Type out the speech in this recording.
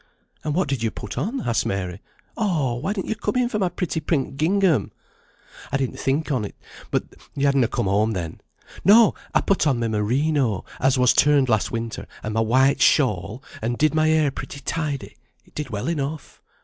"And what did you put on?" asked Mary. "Oh, why didn't you come in for my pretty pink gingham?" "I did think on't; but you had na come home then. No! I put on my merino, as was turned last winter, and my white shawl, and did my hair pretty tidy; it did well enough.